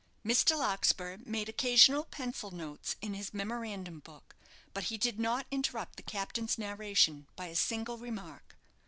Mr. Larkspur made occasional pencil notes in his memorandum book; but he did not interrupt the captain's narration by a single remark.